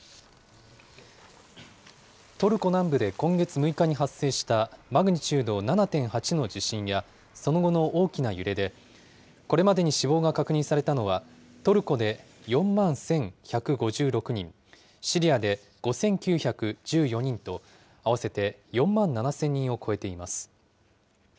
トルコ南部で今月６日に発生した、マグニチュード７．８の地震や、その後の大きな揺れで、これまでに死亡が確認されたのは、トルコで４万１１５６人、シリアで５９１４人と、合わせて４万７０００人を超えています。